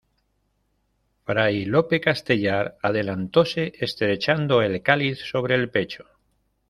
fray Lope Castellar adelantóse estrechando el cáliz sobre el pecho: